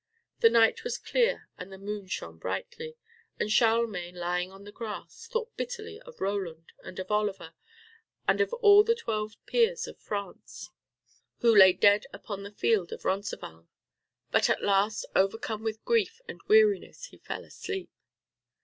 The night was clear and the moon shone brightly. And Charlemagne, lying on the grass, thought bitterly of Roland and of Oliver, and of all the twelve peers of France who lay dead upon the field of Roncesvalles. But at last, overcome with grief and weariness, he fell asleep.